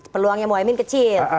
peluangnya mohamed kecil